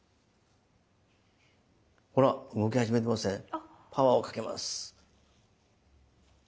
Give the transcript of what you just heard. ほら動き始めてません？パワーをかけます。